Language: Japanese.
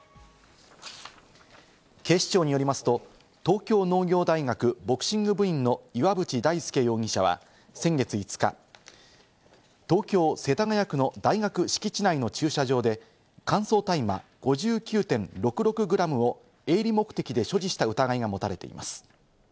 警視庁によりますと、東京農業大学ボクシング部員の岩渕大輔容疑者は先月５日、東京・世田谷区の大学敷地内の駐車場で乾燥大麻５９．６６グラムを営利目的で所持した疑いが持たれています。